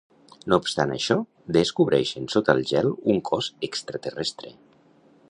No obstant això, descobreixen sota el gel un cos extraterrestre.